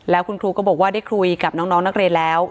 แล้วคุณครูก็บอกว่าได้คุยกับน้องนักเรียนแล้ว